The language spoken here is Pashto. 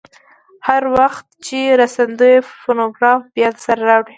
هر وخت چې راستنېدې فونوګراف بیا درسره راوړه.